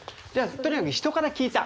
とにかく人から聞いた。